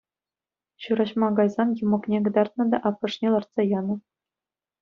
Ҫураҫма кайсан йӑмӑкне кӑтартнӑ та аппӑшне лартса янӑ.